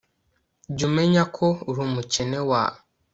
jya umenya ko uri umukene wa